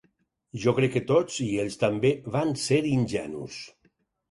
Jo crec que tots, i ells també, van ser ingenus.